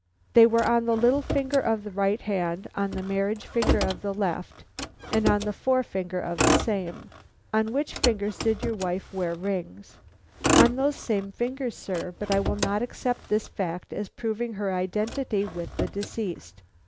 "They were on the little finger of the right hand, on the marriage finger of the left, and on the forefinger of the same. On which fingers did your wife wear rings?" "On those same fingers, sir, but I will not accept this fact as proving her identity with the deceased.